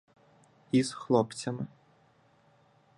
із хлопцями.